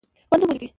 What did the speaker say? خپل نوم ولیکئ.